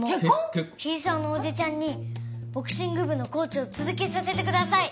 桐沢のおじちゃんにボクシング部のコーチを続けさせてください。